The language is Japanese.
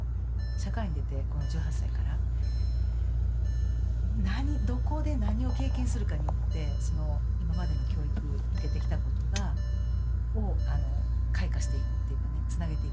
社会に出てこの１８歳からどこで何を経験するかによって今までの教育受けてきたことがを開花していくっていうかねつなげていくというか。